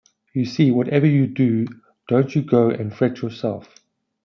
You see, whatever you do, don't you go and fret yourself.